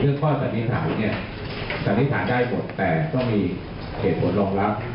เรื่องข้อสันนิษฐาสันนิษฐาได้หมดแต่ต้องมีเหตุผลลงรับ